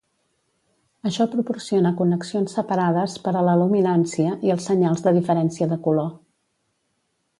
Això proporciona connexions separades per a la luminància i els senyals de diferència de color.